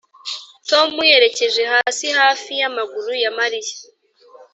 tom yerekeje hasi hafi yamaguru ya mariya